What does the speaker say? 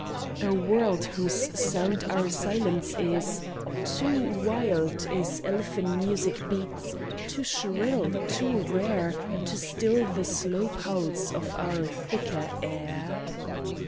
A world whose sound our silence is; too wild Its elfin music beats, too shrill, too rare, To stir the slow pulse of our thicker air.